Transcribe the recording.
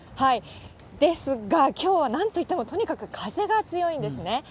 ですが、きょうはなんといっても、とにかく風が強いんですね。